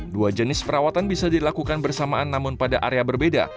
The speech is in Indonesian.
dua jenis perawatan bisa dilakukan bersamaan namun pada area berbeda